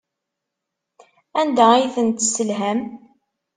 Anda ay ten-tesselham?